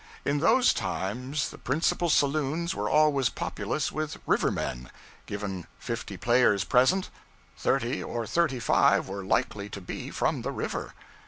In those times, the principal saloons were always populous with river men; given fifty players present, thirty or thirty five were likely to be from the river.